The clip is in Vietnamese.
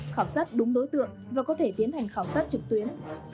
khảo sát đúng đối tượng và có thể tiến hành khảo sát trực tuyến